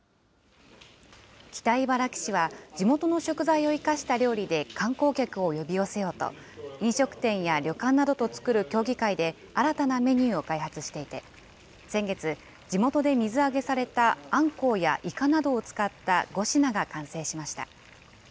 北茨城市は、地元の食材を生かした料理で観光客を呼び寄せようと、飲食店や旅館などと作る協議会で新たなメニューを開発していて、先月、地元で水揚げされたあんこうやいかなどを使った５品が完成しました。